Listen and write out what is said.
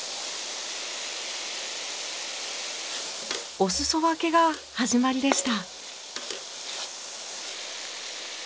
お裾分けが始まりでした。